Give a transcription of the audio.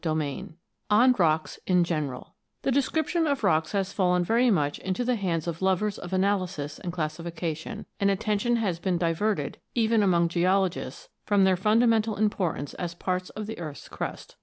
CHAPTER I ON ROCKS IN GENERAL THE description of rocks has fallen very much into the hands of lovers of analysis and classification, and attention has been diverted, even among geologists, from their fundamental importance as parts of the earth's crust.